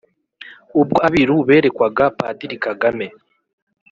ubwo abiru berekwaga Padiri Kagame